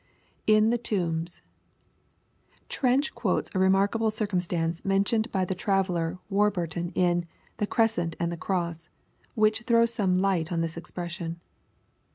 [In the tombs,] Trench quotes a remarkable circumstance, mentioned bv the traveller Warburton, in " The Crescent and the Cross," which throws some light on this expression.